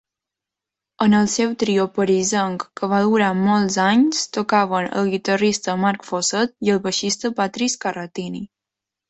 En el seu trio parisenc que va durar molts anys tocaven el guitarrista Marc Fosset i el baixista Patrice Carratini.